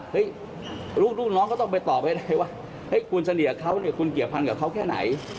ลูกน้องก็ต้องไปตอบให้ได้ว่าเฮ้ยคุณเฉลี่ยเขาเนี่ยคุณเกี่ยวพันกับเขาแค่ไหน